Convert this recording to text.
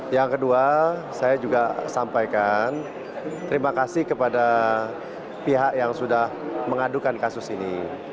yang kedua saya juga sampaikan terima kasih kepada pihak yang sudah mengadukan kasus ini